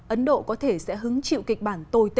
ấn độ có thể sẽ hứng chịu kịch bản tồi tệ